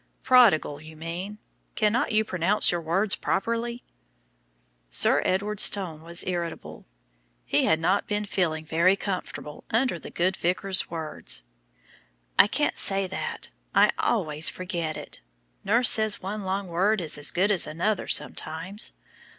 "'Prodigal,' you mean. Cannot you pronounce your words properly?" Sir Edward's tone was irritable. He had not been feeling very comfortable under the good vicar's words. "I can't say that; I always forget it. Nurse says one long word is as good as another sometimes.